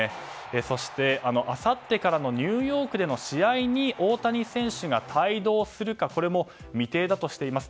そして、あさってからのニューヨークでの試合に大谷選手が帯同するかも未定だとしています。